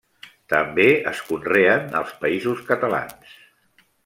També es conreen als Països Catalans.